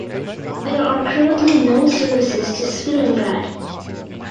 There are currently no services to Svilengrad.